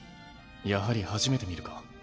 やはり初めて見るか。